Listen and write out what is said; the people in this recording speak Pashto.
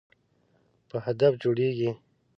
په هدف جوړیږي.